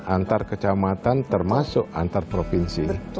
antar kecamatan termasuk antar provinsi